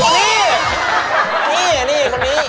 นี่นี่คนนี้